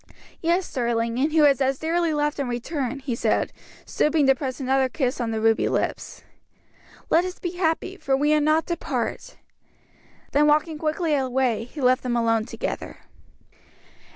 "Yes, darling, and who is as dearly loved in return," he said, stooping to press another kiss on the ruby lips. "Let us be happy, for we are not to part." Then walking quickly away, he left them alone together.